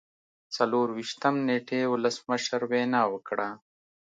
څلور ویشتم نیټې ولسمشر وینا وکړه.